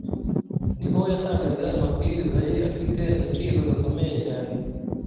ni ho yatangaga amabwiriza ye afite agaciro gakomeye cyane